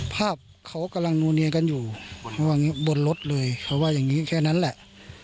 ภาพเขากำลังนัวเนียกันอยู่ระหว่างบนรถเลยเขาว่าอย่างนี้แค่นั้นแหละ